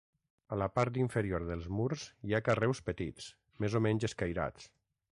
A la part inferior dels murs hi ha carreus petits, més o menys escairats.